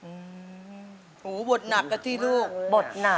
โอ้โฮบทหนักกับที่ลูกโอ้โฮบทหนัก